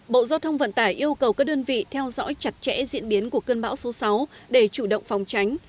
bộ giao thông vận tải yêu cầu các đơn vị theo dõi chặt chẽ diễn biến của cơn bão số sáu để chủ động phòng tránh